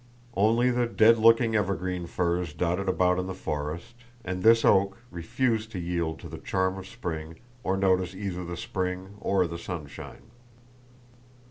Only the dead looking evergreen firs dotted about in the forest, and this oak, refused to yield to the charm of spring or notice either the spring or the sunshine.